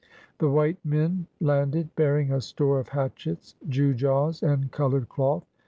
The white men landed, bearing a store of hatchets, gewgaws, and colored cloth.